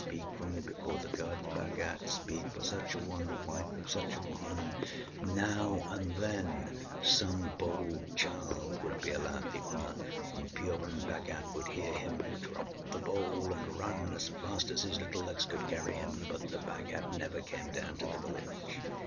âSpeak for me before the gods, Bhagat. Speak for such a one, the wife of so and so!â Now and then some bold child would be allowed the honour, and Purun Bhagat would hear him drop the bowl and run as fast as his little legs could carry him, but the Bhagat never came down to the village.